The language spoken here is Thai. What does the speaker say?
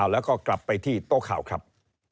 แล้วก็กลับไปที่โต๊ะข่าวครับ